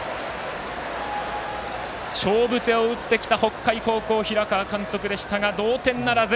勝負手を打ってきた北海高校の平川監督でしたが同点ならず。